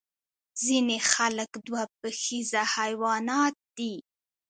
ځینې خلک دوه پښیزه حیوانات دي